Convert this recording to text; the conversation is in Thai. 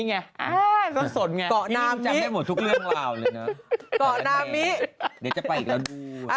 เจ้านี่มึงจำได้หมดทุกเรื่องราวเลยนะแต่ว่าแนนมั้ยเดี๋ยวจะไปอีกแล้วดู